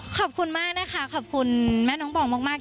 ขอบคุณมากนะคะขอบคุณแม่น้องบองมาก